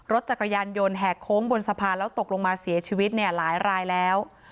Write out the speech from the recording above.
รถจักรยานยนต์แหกโค้งบนสะพานแล้วตกลงมาเสียชีวิตเนี่ยหลายรายแล้ว